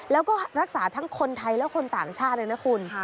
แล้วก็รักษาทั้งคนไทยและคนต่างชาติเลยนะคุณ